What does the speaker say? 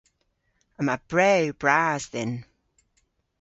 Yma brew bras dhyn.